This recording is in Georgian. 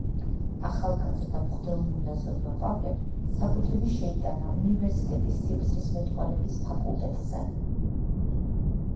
ახალგაზრდა მღვდელმონაზონმა პავლემ საბუთები შეიტანა უნივერსიტეტის სიბრძნისმეტყველების ფაკულტეტზე.